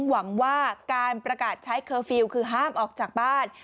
หวังว่าการประกาศใช้เคอร์ฟิลล์คือห้ามออกจากบ้าน